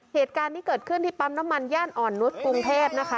เหตุการณ์นี้เกิดขึ้นที่ปั๊มน้ำมันย่านอ่อนนุษย์กรุงเทพนะคะ